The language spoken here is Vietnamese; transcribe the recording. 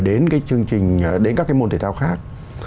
đến các cái môn thể thao khác